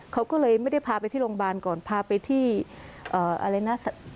เขาก็เลยไม่ได้พาไปที่โรงพยาบาลก่อนพาไปที่อะไรนะ